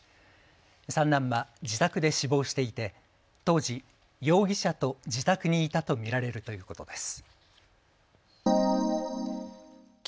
三男は自宅で死亡していて当時、容疑者と自宅にいたと見られるということです。